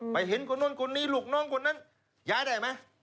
เห็นคนนู้นคนนี้ลูกน้องคนนั้นย้ายได้ไหม